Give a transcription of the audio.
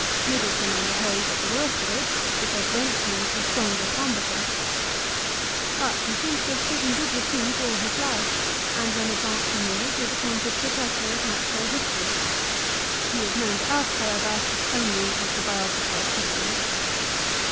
Middleton, on the whole, got the worst of it, because Bentley was the stronger com batant. But he seems to have stood in good repute all his life, and when advanced in years was appointed Professor of Natural History. He is known to us, however, only as 126 LIFE OF CICERO. the biographer of Cicero.